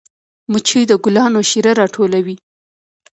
مچۍ د ګلانو شیره راټولوي